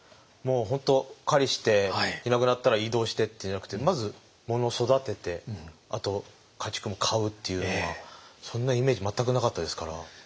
もう本当狩りしていなくなったら移動してっていうんじゃなくてまずもの育ててあと家畜も飼うっていうのはそんなイメージ全くなかったですから。